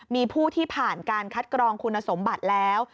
มีผู้ที่ผ่านการคัดกรองคุณสมบัติแล้ว